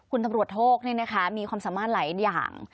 คุณตำรวจโทกนี่นะคะมีความสัมมาติหลายอย่าง